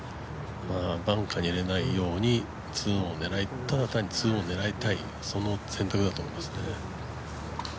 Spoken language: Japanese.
バンカーに入れないようにただ単に２オン狙いたい、その選択だと思いますね。